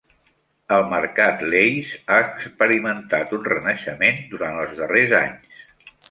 El Mercat Lace ha experimentat un renaixement durant els darrers anys.